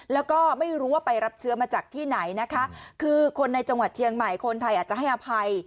แล้วก็ไม่รู้ว่าไปรับเชื้อมาจากที่ไหนนะคะคือคนในจังหวัดเชียงใหม่คนไทยอาจจะให้อภัย